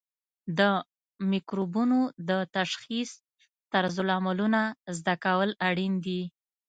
د مکروبونو د تشخیص طرزالعملونه زده کول اړین دي.